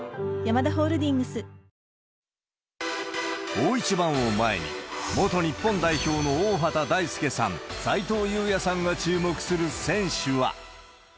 大一番を前に、元日本代表の大畑大介さん、斉藤祐也さんが注目する選手は。